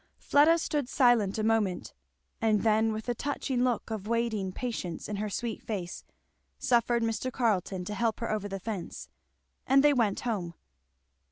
Fleda stood silent a moment, and then with a touching look of waiting patience in her sweet face suffered Mr. Carleton to help her over the fence; and they went home.